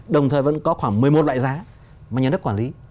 đồng thời vẫn có khoảng một mươi một loại giá mà nhà đất quản lý